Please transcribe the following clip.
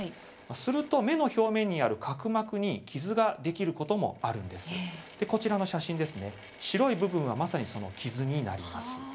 すると、目の表面にある角膜に傷ができることもあるんです。こちらの写真ですね、白い部分はまさに、その傷になります。